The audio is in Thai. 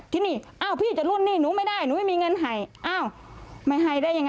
ที่นี่อ้าวพี่จะรุ่นนี่หนูไม่ได้หนูไม่มีเงินให้